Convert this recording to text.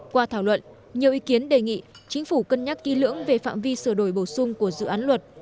qua thảo luận nhiều ý kiến đề nghị chính phủ cân nhắc kỹ lưỡng về phạm vi sửa đổi bổ sung của dự án luật